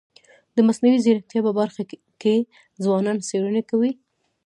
د مصنوعي ځیرکتیا په برخه کي ځوانان څېړني کوي.